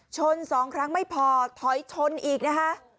สองครั้งไม่พอถอยชนอีกนะคะ